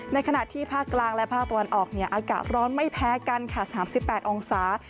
ในขณะที่ภาคกลางและภาคตะวันออกอากาศร้อนไม่แพ้กันค่ะ๓๘องศา